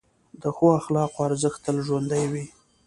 د ښو اخلاقو ارزښت تل ژوندی وي.